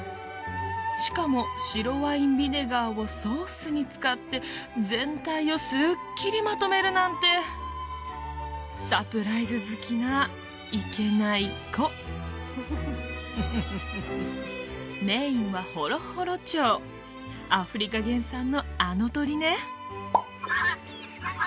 しかも白ワインビネガーをソースに使って全体をすっきりまとめるなんてサプライズ好きないけない子メインはほろほろ鳥アフリカ原産のあの鳥ね